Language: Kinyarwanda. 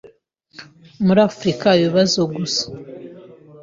muri afurika haba ibibazo gusa